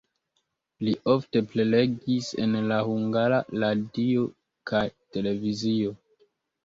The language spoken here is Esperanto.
Li ofte prelegis en la Hungara Radio kaj televizio.